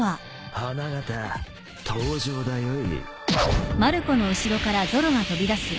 花形登場だよい。